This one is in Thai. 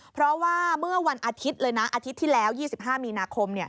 เพราะว่าเมื่อวันอาทิตย์เลยนะอาทิตย์ที่แล้ว๒๕มีนาคม